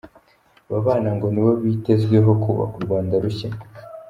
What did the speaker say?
Aba bana ngo nibo bitezweho kubaka u Rwanda rushya.